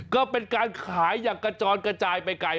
ก็เป็นการขายอย่างกระจอนกระจายไปไกล